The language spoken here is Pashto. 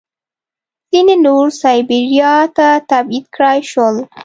ځینې نور سایبیریا ته تبعید کړای شول